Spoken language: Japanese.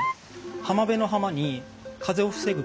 浜辺の「浜」に風を防ぐ